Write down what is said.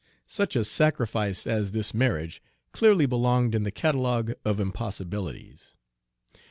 Such a sacrifice as this marriage clearly belonged in the catalogue of impossibilities.